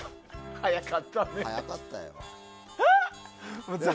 早かったよ。